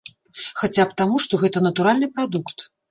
Хаця б таму, што гэта натуральны прадукт.